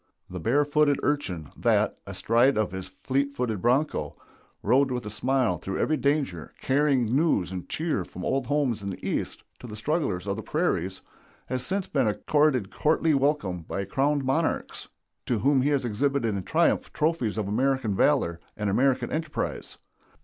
The barefooted urchin, that, astride of his fleet footed bronco, rode with a smile through every danger, carrying news and cheer from old homes in the East to the strugglers of the prairies, has since been accorded courtly welcome by crowned monarchs, to whom he has exhibited in triumph trophies of American valor and American enterprise.